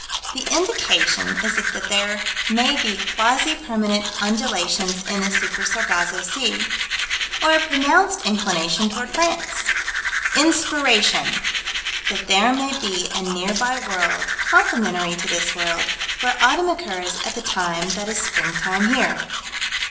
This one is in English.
The indication is that there may be quasi permanent undulations in the Super Sargasso Sea, or a pronounced inclination toward France Inspiration: That there may be a nearby world complementary to this world, where autumn occurs at the time that is springtime here.